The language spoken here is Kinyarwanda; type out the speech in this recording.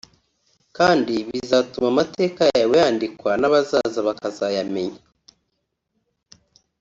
kandi bizatuma amateka yawe yandikwa n’abazaza bakazayamenya